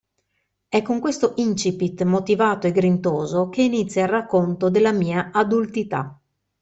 È con questo incipit motivato e grintoso che inizia il racconto della mia adultità.